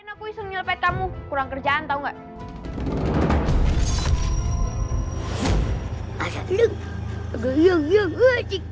enak bisa nyelpet kamu kurang kerjaan tahu enggak